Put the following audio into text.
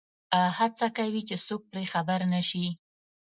هڅه کوي چې څوک پرې خبر نه شي.